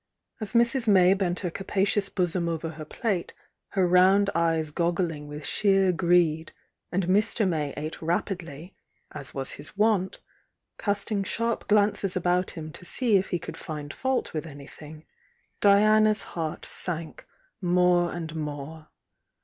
As Mrs. May bent her capacious bosom over h^r plate, her round eyes goggling with sheer greed, and Mr. May ate rapidly as was his wont, casting sharp glances about him to see if he could find fault with anything, Diana's heart sank more and more.